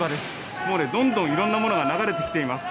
もうね、どんどんいろんなものが流れてきています。